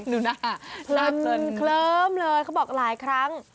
ดูหน้าเพลินเพลินเลยเขาบอกหลายครั้ง